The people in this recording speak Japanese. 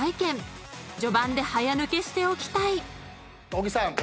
小木さん